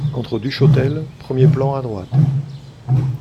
Entre Duchotel, premier plan à droite.